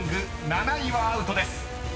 ［７位はアウトです。